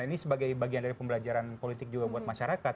ini sebagai bagian dari pembelajaran politik juga buat masyarakat